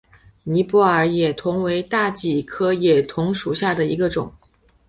尼泊尔野桐为大戟科野桐属下的一个种。